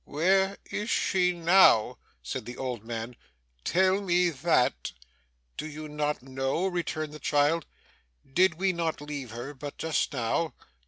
'Where is she now?' said the old man. 'Tell me that.' 'Do you not know?' returned the child. 'Did we not leave her, but just now?